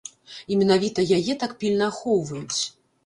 І менавіта яе так пільна ахоўваюць.